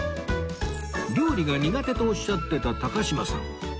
料理が苦手とおっしゃっていた高島さん